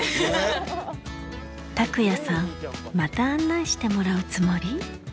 卓也さんまた案内してもらうつもり？